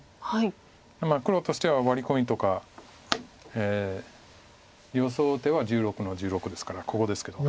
黒としてはワリコミとか予想手は１６の十六ですからここですけど。